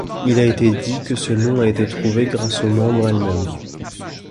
Il a été dit que ce nom a été trouvé grâce aux membres elles-mêmes.